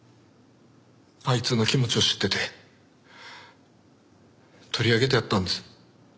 あいつの気持ちを知ってて取り上げてやったんです。